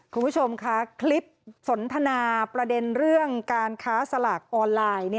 คุณผู้ชมคะคลิปสนทนาประเด็นเรื่องการค้าสลากออนไลน์